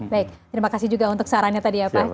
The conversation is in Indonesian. baik terima kasih juga untuk sarannya tadi ya pak